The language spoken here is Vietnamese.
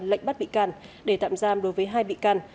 lệnh bắt bị can để tạm giam đối với hai bị can